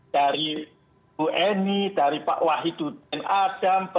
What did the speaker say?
dari bu eni dari pak wahidudin adam